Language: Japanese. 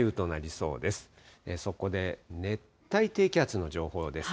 そこで熱帯低気圧の情報です。